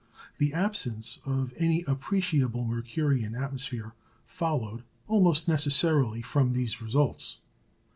The absence of any appreciable Mercurian atmosphere followed almost necessarily from these results.